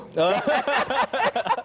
terima kasih pak muldoko